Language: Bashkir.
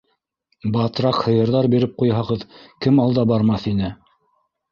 Батрак һыйырҙар биреп ҡуйһағыҙ, кем алда бармаҫ ине!